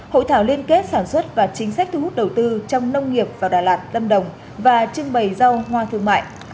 hội thảo liên kết sản xuất và chính sách thu hút đầu tư trong nông nghiệp vào đà lạt lâm đồng và trưng bày rau hoa thương mại